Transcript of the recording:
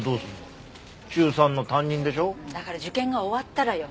だから受験が終わったらよ。